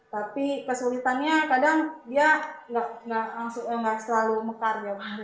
tapi kesulitannya kadang dia nggak selalu mekar